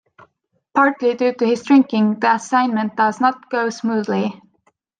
Partly due to his drinking, the assignment does not go smoothly.